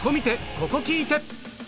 ここ聴いて！